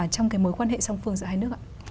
trong cái mối quan hệ song phương giữa hai nước ạ